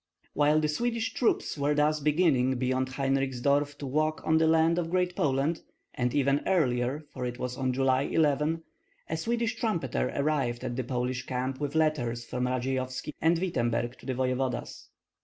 While the Swedish troops were thus beginning beyond Heinrichsdorf to walk on the land of Great Poland, and even earlier, for it was on July 18, a Swedish trumpeter arrived at the Polish camp with letters from Radzeyovski and Wittemberg to the voevodas.